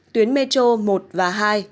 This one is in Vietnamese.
tuyến metro một và hai